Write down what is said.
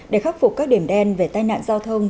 để khắc phục các điểm đen về tai nạn giao thông